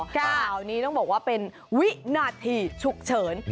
ข่าวนี้ต้องบอกว่าเป็นวินาทีฉุกเฉิน